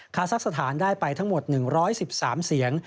ซักสถานได้ไปทั้งหมด๑๑๓เสียง